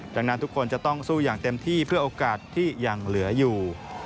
ดังนั้นทุกคนจะต้องสู้อย่างเต็มที่เพื่อโอกาสที่ยังเหลืออยู่